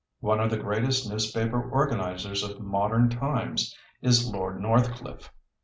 One of the greatest newspaper organizers of modern times is Lord Northcliffe.